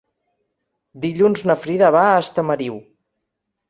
Dilluns na Frida va a Estamariu.